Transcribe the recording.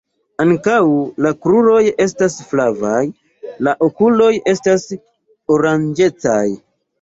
Ankaŭ la kruroj esta flavaj, La okuloj estas oranĝecaj.